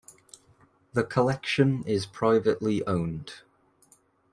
The collection is privately owned.